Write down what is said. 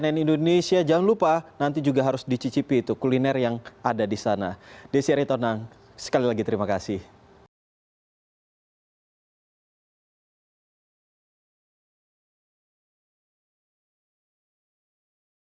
ini nanti akan menjadi titik perayaan dari festival cap gome puncaknya